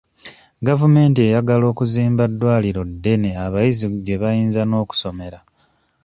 Gavumenti eyagala okuzimba ddwaliro ddene abayizi gye bayinza n'okusomera.